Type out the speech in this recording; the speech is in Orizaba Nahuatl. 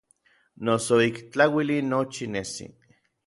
Noso ik tlauili nochi nesi.